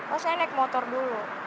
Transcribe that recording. oh saya naik motor dulu